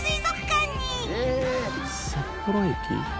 札幌駅？